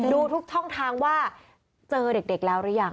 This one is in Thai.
ดูทุกช่องทางว่าเจอเด็กแล้วหรือยัง